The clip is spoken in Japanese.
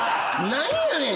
何やねん！